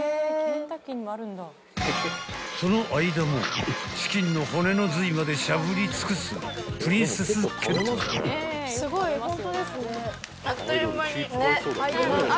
［その間もチキンの骨の髄までしゃぶり尽くすプリンセスケンタ］